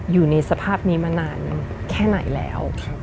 อยู่ในสภาพนี้มานานแค่ไหนแล้ว